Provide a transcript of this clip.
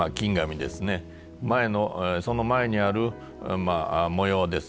前のその前にある模様です。